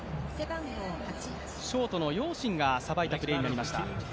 ショートのヨウ・シンがさばいたプレーになりました。